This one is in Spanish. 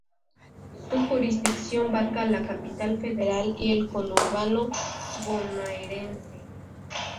Su jurisdicción barca a la Capital Federal y el conurbano bonaerense.